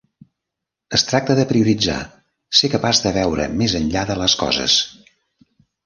Es tracta de prioritzar, ser capaç de veure més enllà de les coses.